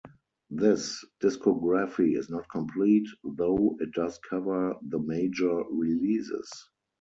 This discography is not complete, though it does cover the major releases.